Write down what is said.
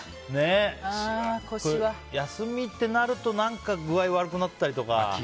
休みってなると何か具合悪くなったりとか。